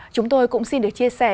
chúng tôi cũng xin được chia sẻ